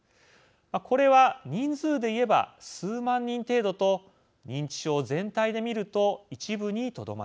これは人数で言えば数万人程度と認知症全体で見ると一部にとどまります。